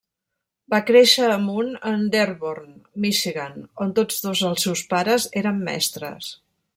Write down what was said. Va créixer amunt en Dearborn, Michigan, on tots dos els seus pares eren mestres.